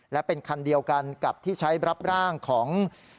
และเป็นคันเดียวกันกับที่ใช้รับร่างของ